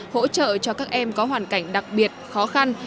hỗ trợ cho các em có hoàn cảnh đặc biệt khó khăn